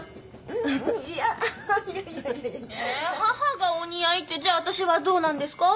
母がお似合いってじゃあ私はどうなんですか？